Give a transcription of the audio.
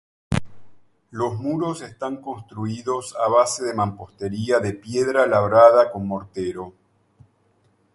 Los muros están construidos a base de mampostería de piedra labrada con mortero.